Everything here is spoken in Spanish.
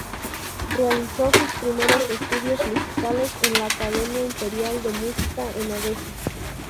Realizó sus primeros estudios musicales en la Academia Imperial de Música en Odessa.